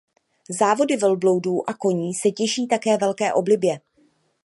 Závody velbloudů a koní se těší také velké oblibě.